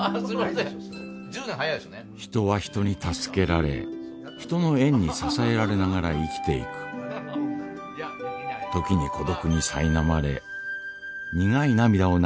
人は人に助けられ人の縁に支えられながら生きていく時に孤独にさいなまれ苦い涙を流す日があったとしても